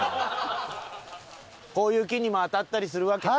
こういう木にも当たったりするわけか。